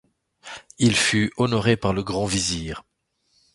Il fut honoré par le grand Vizir.